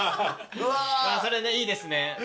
それでいいですね。